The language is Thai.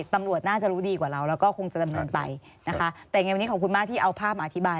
ตำรวจน่าจะรู้ดีกว่าเราแล้วก็คงจะดำเนินไปนะคะแต่ยังไงวันนี้ขอบคุณมากที่เอาภาพมาอธิบาย